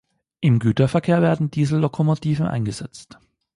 Im Güterverkehr werden Diesellokomotiven eingesetzt.